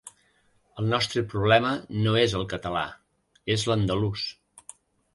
El nostre problema no és el català, és l’andalús.